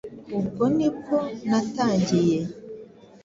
Ubwo ni bwo natangiye